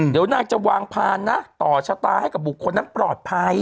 เดี๋ยวนางจะวางพานนะต่อชะตาให้กับบุคคลนั้นปลอดภัย